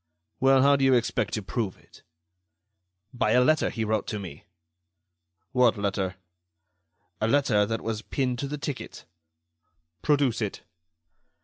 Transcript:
"Well, how do you expect to prove it?" "By a letter he wrote to me." "What letter?" "A letter that was pinned to the ticket." "Produce it."